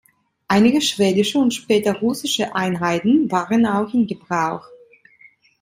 Einige schwedische und später russische Einheiten waren auch in Gebrauch.